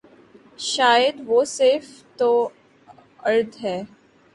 شاید وہ صرف توارد ہے۔